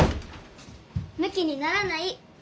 むきにならない！